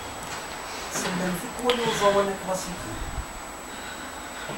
Tsellem tikwal i uẓawan aklasiki?